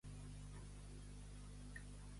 Hi ha viatge per a un ferrerienc!